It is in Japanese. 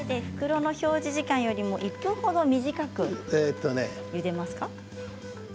袋の表示時間より１分ほど短くゆでますか？